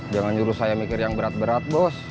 jangan nyuruh saya mikir yang berat berat bos